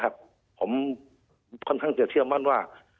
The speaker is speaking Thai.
ผมค่อนข้างจะเชื่อมั่นว่า